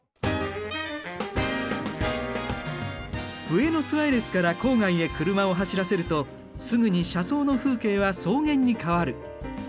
ブエノスアイレスから郊外へ車を走らせるとすぐに車窓の風景は草原に変わる。